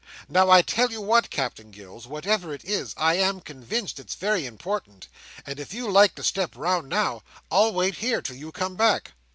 Now, I tell you what, Captain Gills—whatever it is, I am convinced it's very important; and if you like to step round, now, I'll wait here till you come back."